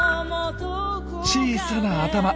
小さな頭。